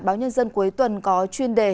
báo nhân dân cuối tuần có chuyên đề